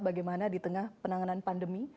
bagaimana di tengah penanganan pandemi